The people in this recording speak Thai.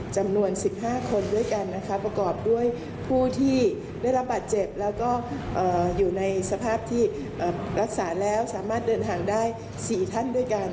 จำนวน๑๕คนด้วยกันนะคะประกอบด้วยผู้ที่ได้รับบาดเจ็บแล้วก็อยู่ในสภาพที่รักษาแล้วสามารถเดินทางได้๔ท่านด้วยกัน